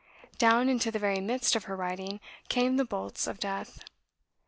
Down into the very midst of her writing came the bolts of death.